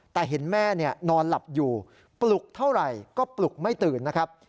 แต่เห็นแม่นอนหลับอยู่ปลุกเท่าไหร่ก็ปลุกไม่ตื่นนะครับ